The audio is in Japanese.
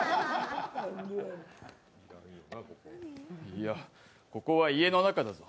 いや、ここは家の中だぞ。